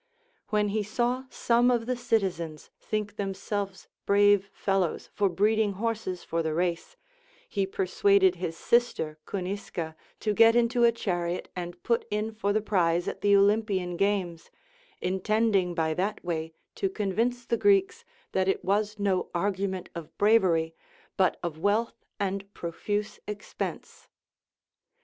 Λνΐιοη he saw some of the citizens think themselves brave fellows for breeding horses for the race, he per suaded his sister Cunisca to get into a chariot and put in for the prize at the Olympian games, intending by that way to convince the Greeks that it was no argument of bravery, but of wealth and profuse expense.